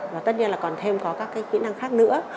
và tất nhiên là còn thêm có các cái kỹ năng khác nữa